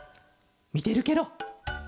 みてるケロ。